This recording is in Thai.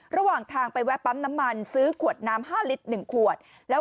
ระหว่างทางไปแวะปั๊มน้ำมันซื้อขวดน้ำ๕ลิตร๑ขวดแล้ว